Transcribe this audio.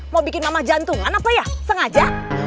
mau bikin mamah jantungan apa ya sengaja